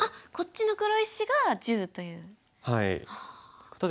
あっこっちの黒石が１０という。